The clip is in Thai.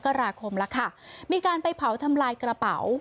๑๒มกราคมมีการไปเผาทำลายกระเป๋า